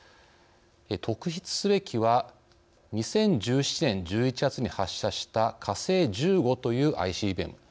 特筆すべきは２０１７年１１月に発射した火星１５というＩＣＢＭ。